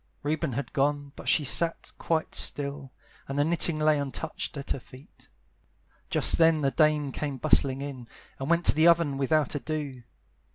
Reuben had gone, but she sat quite still, And the knitting lay untouched at her feet. Just then the dame came bustling in, And went to the oven without ado.